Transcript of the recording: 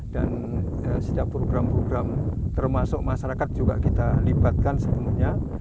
dan setiap program program termasuk masyarakat juga kita libatkan semuanya